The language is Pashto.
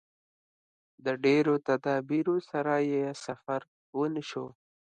د ډېرو تدابیرو سره یې سفر ونشو.